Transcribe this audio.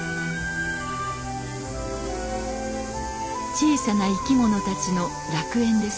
小さな生き物たちの楽園です。